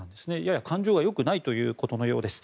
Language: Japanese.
やや感情がよくないということのようです。